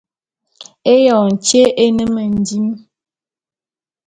Éyoñ tyé é ne mendim.